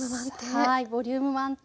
うわボリューム満点！